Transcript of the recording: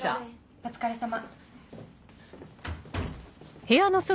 お疲れさま。